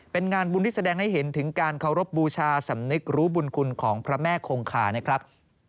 เป็นงานบุญที่แสดงให้เห็นถึงการเคารพบูชาสำนึกรู้บุญคุณของพระแม่คงคานะครับ